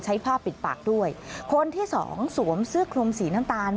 ผ้าปิดปากด้วยคนที่สองสวมเสื้อคลุมสีน้ำตาล